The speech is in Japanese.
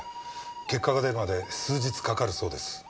結果が出るまで数日かかるそうです。